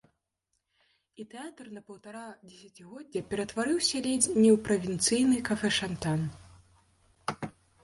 І тэатр на паўтара дзесяцігоддзя ператварыўся ледзь не ў правінцыйны кафэшантан.